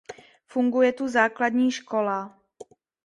Funguje tu základní škola.